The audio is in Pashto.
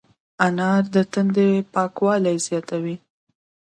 انار د تندي پاکوالی زیاتوي.